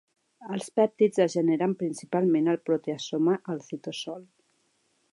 Els pèptids es generen principalment el proteasoma al citosol.